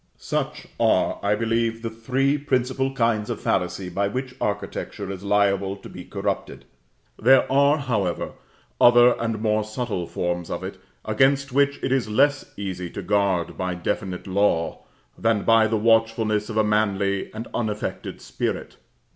Such are, I believe, the three principal kinds of fallacy by which architecture is liable to be corrupted; there are, however, other and more subtle forms of it, against which it is less easy to guard by definite law, than by the watchfulness of a manly and unaffected spirit.